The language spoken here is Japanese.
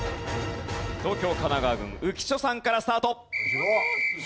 東京・神奈川軍浮所さんからスタート。